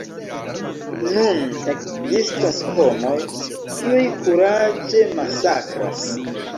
Nun ekzistas homoj, kiuj kuraĝe masakras.